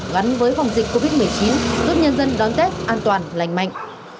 gắn với phòng dịch covid một mươi chín giúp nhân dân đón tết an toàn lành mạnh